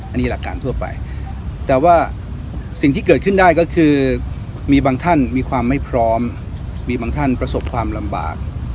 อันนี้หลักการทั่วไปแต่ว่าสิ่งที่เกิดขึ้นได้ก็คือมีบางท่านมีความไม่พร้อมมีบางท่านประสบความลำบาก